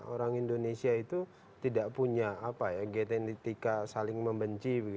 orang indonesia itu tidak punya genetika saling membenci